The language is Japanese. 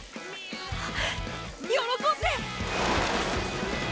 あ喜んで！